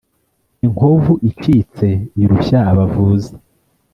Inkovu icitse irushya abavuzi.